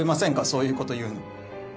そういうこと言うの